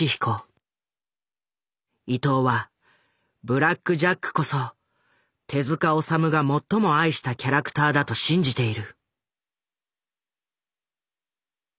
伊藤はブラック・ジャックこそ手治虫が最も愛したキャラクターだと信じている。